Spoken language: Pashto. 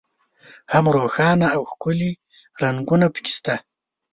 هم روښانه او ښکلي رنګونه په کې شته.